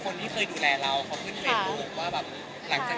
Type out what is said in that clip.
เหมือนคนที่เคยดูแลเราเค้าพึ่งดูว่าหลังทีไป